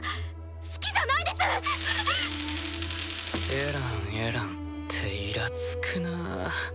「エランエラン」ってイラつくなぁ。